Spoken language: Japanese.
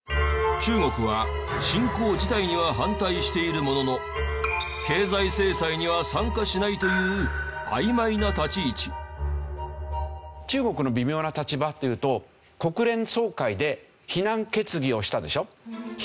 中国は侵攻自体には反対しているものの経済制裁には参加しないという中国の微妙な立場っていうと国連総会で非難決議をしたでしょ。